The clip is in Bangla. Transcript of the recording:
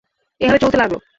এভাবে চলতে লাগল।